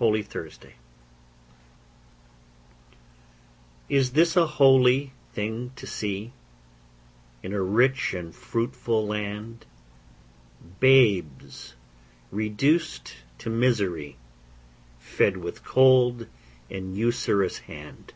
HOLY THURSDAY Is this a holy thing to see In a rich and fruitful land,— Babes reduced to misery, Fed with cold and usurous hand?